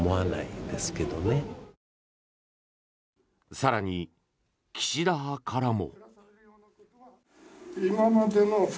更に、岸田派からも。